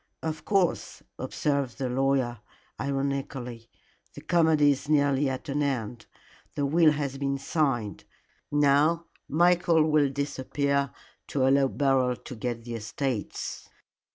"Of course," observed the lawyer, ironically, "the comedy is nearly at an end. The will has been signed. Now Michael will disappear to allow Beryl to get the estates."